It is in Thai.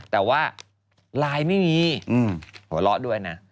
แต่ว่าไลน์ไม่มีหัวเราะด้วยนะ